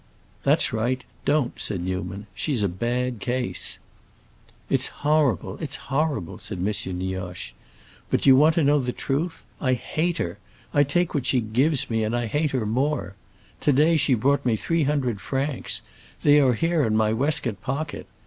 "That's right; don't," said Newman. "She's a bad case." "It's horrible, it's horrible," said M. Nioche; "but do you want to know the truth? I hate her! I take what she gives me, and I hate her more. To day she brought me three hundred francs; they are here in my waistcoat pocket.